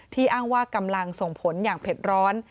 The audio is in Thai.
อ้างว่ากำลังส่งผลอย่างเผ็ดร้อน